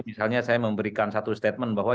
misalnya saya memberikan satu statement bahwa